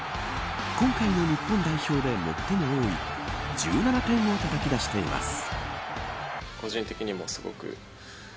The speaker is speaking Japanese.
今回の日本代表で最も多い１７点をたたき出しています。